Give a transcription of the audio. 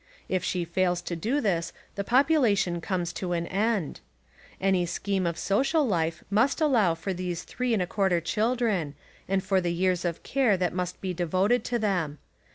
If she fails to do this the population comes to an end. Any scheme of social life must allow for these three and a quarter children and for the years of care that must be devoted to them.